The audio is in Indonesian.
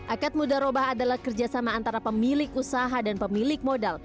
akad muda robah adalah kerjasama antara pemilik usaha dan pemilik modal